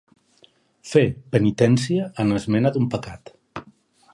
Fer penitència en esmena d'un pecat.